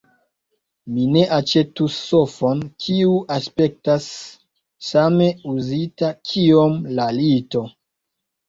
Mi ne aĉetus sofon kiu aspektas same uzita kiom la lito.